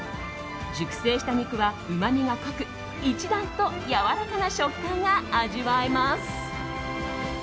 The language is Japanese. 熟成した肉はうまみが濃く一段とやわらかな食感が味わえます。